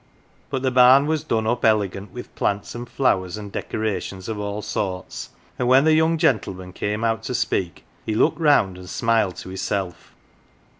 But the barn was done up elegant with plants and flowers and decorations of all sorts, and when the young gentleman came out to speak, he look round and smiled to hisself.